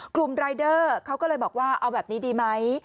กลุ่มรายเดอร์เขาก็เลยบอกว่าเอาแบบนี้ดีไหม